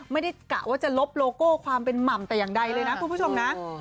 กะว่าจะลบโลโก้ความเป็นหม่ำแต่อย่างใดเลยนะคุณผู้ชมนะ